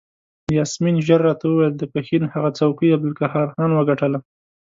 یاسمین ژر راته وویل د پښین هغه څوکۍ عبدالقهار خان وګټله.